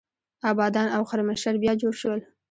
ابادان او خرمشهر بیا جوړ شول.